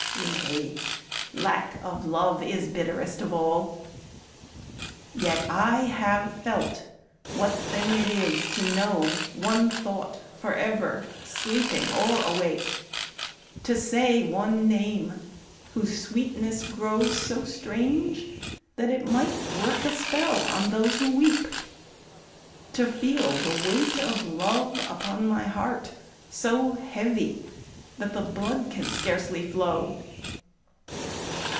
Yea, lack of love is bitterest of all; Yet I have felt what thing it is to know One thought forever, sleeping or awake; To say one name whose sweetness grows so strange That it might work a spell on those who weep; To feel the weight of love upon my heart So heavy that the blood can scarcely flow.